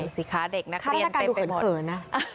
ดูสิคะเด็กนักเรียนเต็มไปหมด